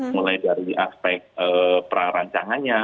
mulai dari aspek perancangannya